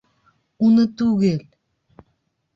Уны түгел!